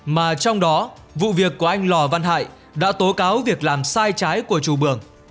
mà trong đó vụ việc của anh lò văn hại đã tố cáo việc làm sai trái của chủ bường